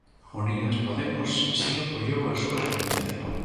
Unidas Podemos si apoiou a súa tramitación.